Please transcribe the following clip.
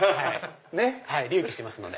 隆起してますんで。